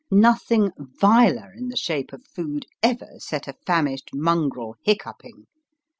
Nothing viler in the shape of food ever set a famished mongrel hiccoughing.